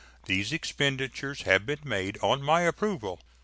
These expenditures have been made on my approval.